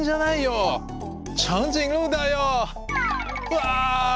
うわ！